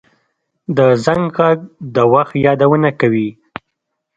د زنګ غږ د وخت یادونه کوي